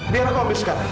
biar aku ambil sekarang